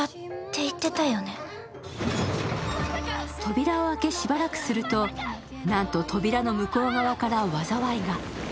扉を開けしばらくすると、なんと扉の向こう側から災いが。